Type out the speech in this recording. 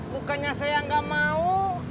bukannya saya nggak mau